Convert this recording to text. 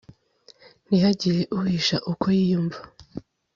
ntihagire uhisha uko yiyumva.